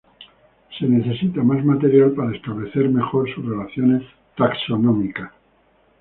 Se necesita más material para establecer mejor sus relaciones taxonómicas.